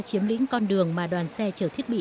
chiếm lĩnh con đường mà đoàn xe chở thiết bị